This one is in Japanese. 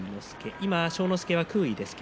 今、庄之助は空位です。